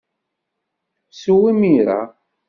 Sew imir-a!